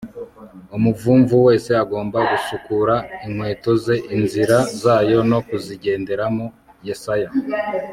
Umuvumvu wese agomba gusukura inkweto ze inzira zayo no kuzigenderamo Yesaya